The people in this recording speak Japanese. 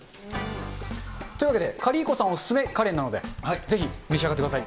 というわけで、カリー子さんお勧めカレーなので、ぜひ召し上がってください。